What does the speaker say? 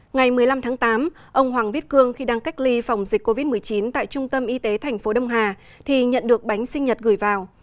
ngày một mươi năm tháng tám ông hoàng viết cương khi đang cách ly phòng dịch covid một mươi chín tại trung tâm y tế tp đông hà thì nhận được bánh sinh nhật gửi vào